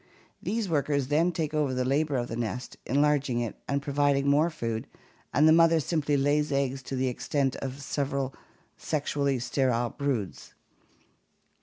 These workers then take over the labor of the nest, enlarging it and providing more food, and the mother simply lays eggs to the extent of several sexually sterile broods.